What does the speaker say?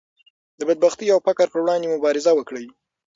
د بدبختۍ او فقر پر وړاندې مبارزه وکړئ.